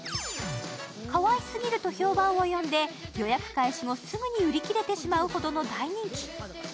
かわいすぎると評判を呼んで、予約開始後、すぐに売り切れてしまうほどの大人気。